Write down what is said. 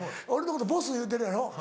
俺のこと「ボス」言うてるやろ。